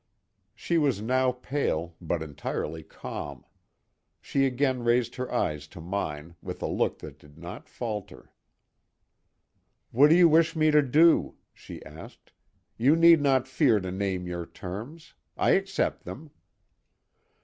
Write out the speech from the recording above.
She was now pale, but entirely calm. She again raised her eyes to mine, with a look that did not falter. "What do you wish me to do?" she asked. "You need not fear to name your terms. I accept them."